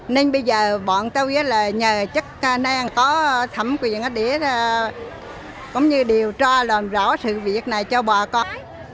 nên bây giờ bọn tôi là nhờ chất năng có thẩm quyền để điều tra làm rõ sự việc này cho bà con